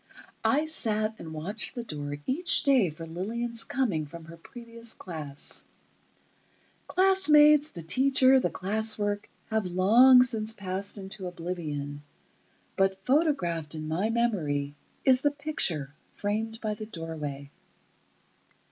I sat and watched the door each day for Lillian's coming from her previous class. Classmates, the teacher, the class work, have long since passed into oblivion, but photographed in my memory is the picture, framed by the doorway.